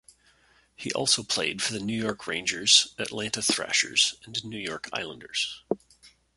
He also played for the New York Rangers, Atlanta Thrashers, and New York Islanders.